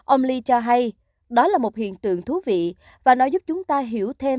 ông lee cho hay đó là một hiện tượng thú vị và nó giúp chúng ta hiểu thêm